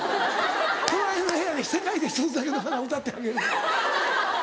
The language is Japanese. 隣の部屋で『世界に一つだけの花』歌ってあげる。